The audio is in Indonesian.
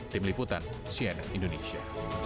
tim liputan siena indonesia